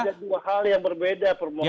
ada dua hal yang berbeda permohonan